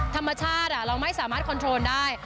ธรรมชาติเราไม่สามารถคอนโทรลได้